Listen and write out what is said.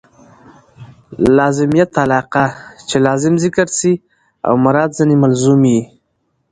لازمیت علاقه؛ چي لازم ذکر سي او مراد ځني ملزوم يي.